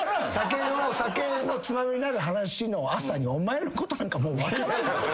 『酒のツマミになる話』の朝にお前のことなんかもう分からん。